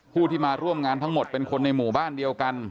ผู้ที่มาร่วมงานทั้งหมดเป็นคนในหมู่บ้านเดียวกัน